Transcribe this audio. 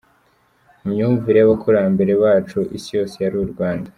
Mu myumvire y’abakurambere bacu, Isi yose yari u Rwanda.